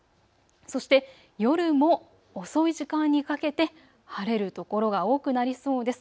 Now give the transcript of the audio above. そして夜も遅い時間にかけて晴れる所が多くなりそうです。